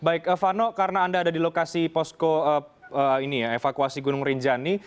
baik vano karena anda ada di lokasi posko evakuasi gunung rinjani